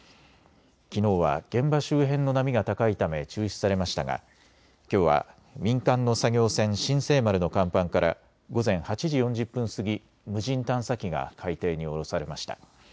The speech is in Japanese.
きのうは現場周辺の波が高いため中止されましたがきょうは民間の作業船、新世丸の甲板から午前８時４０分過ぎ無人探査機が海底に下ろされました。